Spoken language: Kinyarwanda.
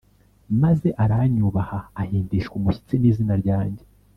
maze aranyubaha ahindishwa umushyitsi n’izina ryanjye.